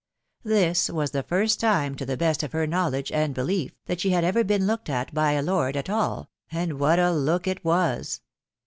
This was the first time, to the best of her knowledge and belief, that she had ever been looked at by a lord at all .... and what a look it was